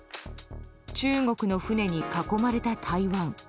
中国の船に囲まれた台湾。